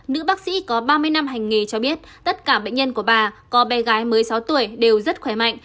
nữ bác sĩ có ba mươi năm hành nghề cho biết tất cả bệnh nhân của bà có bé gái một mươi sáu tuổi đều rất khỏe mạnh